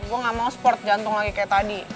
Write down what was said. gue gak mau sport jantung lagi kayak tadi